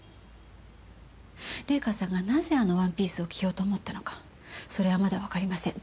玲香さんがなぜあのワンピースを着ようと思ったのかそれはまだわかりません。